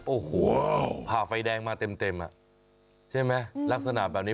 โอ้โหผ่าไฟแดงมาเต็มอ่ะใช่ไหมลักษณะแบบนี้